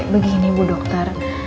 jadi begini bu dokter